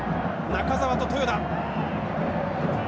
中澤と豊田」。